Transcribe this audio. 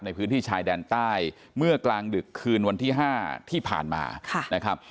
ในพื้นที่ชายแดนใต้เมื่อกลางดึกคืนวันที่๕ที่ผ่านมานะครับ